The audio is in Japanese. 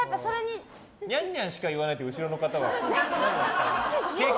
にゃんにゃんしか言わないって後ろの方。